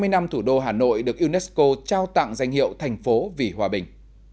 sáu mươi năm thủ đô hà nội được unesco trao tặng danh hiệu thành phố vì hòa bình